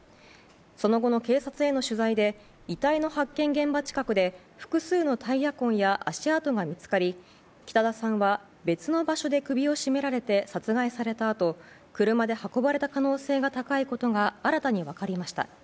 その後の警察への取材で遺体の発見現場近くで複数のタイヤ痕や足跡が見つかり北田さんは別の場所で首を絞められて殺害されたあと車で運ばれた可能性が高いことが新たに分かりました。